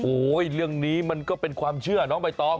เรื่องนี้มันก็เป็นความเชื่อน้องใบตอง